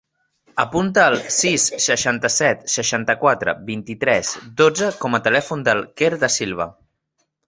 Apunta el sis, seixanta-set, seixanta-quatre, vint-i-tres, dotze com a telèfon del Quer Da Silva.